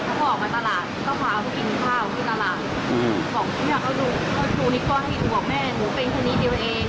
เขาออกมาตลาดก็พาเขาไปกินข้าวไปตลาด